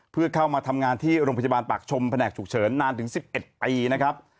เพื่อเข้ามาทำงานที่โรงพยาบาลปากชมแผนกฉุกเฉินนานถึง๑๑ปีนะครับ